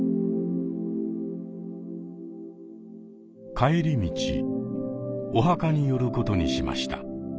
帰り道お墓に寄ることにしました。